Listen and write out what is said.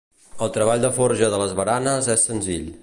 El treball de forja de les baranes és senzill.